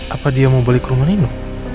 apa dia mau beli ke rumah nino